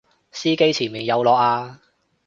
司機前面有落啊！